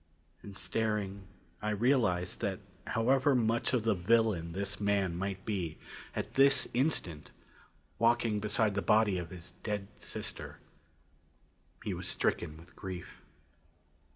And staring, I realized that however much of the villain this man might be, at this instant, walking beside the body of his dead sister, he was stricken with grief.